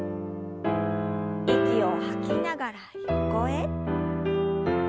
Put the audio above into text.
息を吐きながら横へ。